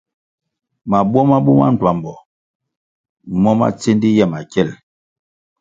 Mabuo ma buma ndtuambo mo ma tsendi ye makiel.